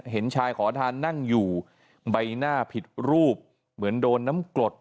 เห็นชายขอทานนั่งอยู่ใบหน้าผิดรูปเหมือนโดนน้ำกรด